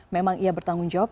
memang ia bertanggung jawab